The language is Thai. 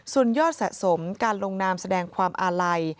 ส่วนยอดสะสมการลงนามแสดงความอาลัย